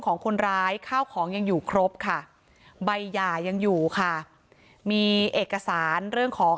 ของคนร้ายข้าวของยังอยู่ครบค่ะใบหย่ายังอยู่ค่ะมีเอกสารเรื่องของ